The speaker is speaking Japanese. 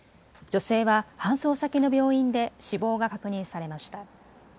女性は搬送先の病院で死亡が確認されました。